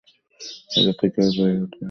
এটাতে কেউ জয়ী হতে পারবে না।